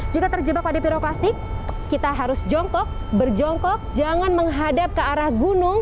jika terjebak pada piroklastik kita harus jongkok berjongkok jangan menghadap ke arah gunung